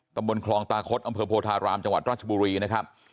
ตำบลคลองตาคดอำเภอโพธารามจังหวัดราชบุรีนะครับ